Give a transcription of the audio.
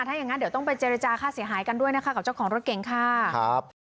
ถ้าอย่างนั้นเดี๋ยวต้องไปเจรจาค่าเสียหายกันด้วยนะคะกับเจ้าของรถเก๋งค่ะครับ